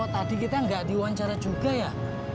man kok tadi kita nggak diwawancara juga ya